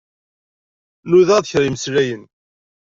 Nudaɣ-d kra imslayen.